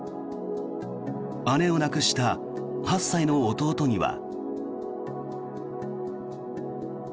姉を亡くした８歳の弟には。